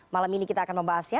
malam ini kita akan membahasnya